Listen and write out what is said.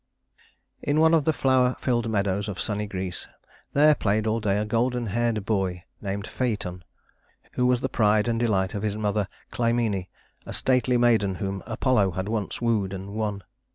III In one of the flower filled meadows of sunny Greece, there played all day a golden haired boy named Phaëton, who was the pride and delight of his mother Clymene, a stately maiden whom Apollo had once wooed and won.